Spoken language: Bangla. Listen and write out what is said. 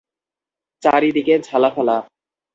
চারি দিকে ঝালাফালা।